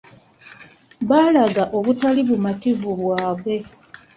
Baalaga obutali bumativu bwabwe.